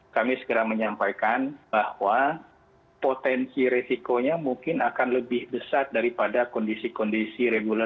kami segera menyampaikan bahwa potensi resikonya mungkin akan lebih besar daripada kondisi kondisi reguler